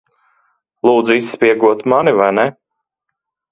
Lūdza izspiegot mani, vai ne?